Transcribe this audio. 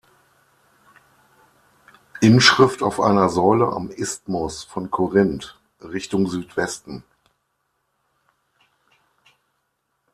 Inschrift auf einer Säule am Isthmus von Korinth, Richtung Südwesten.